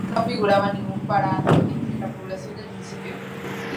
En aquel censo no figuraba ningún parado entre la población del municipio.